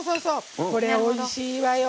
これおいしいわよ